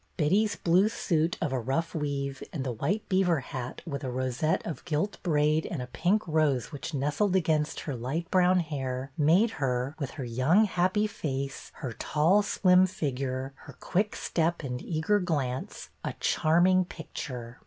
Betty's blue suit, of a rough weave, and the white beaver hat, with a rosette of gilt braid and a pink rose which nestled against her light brown hair, made her, with her young, happy face, her tall, slim figure, her quick step and eager glance, a charming picture.